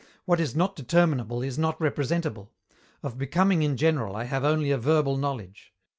What is not determinable is not representable: of "becoming in general" I have only a verbal knowledge.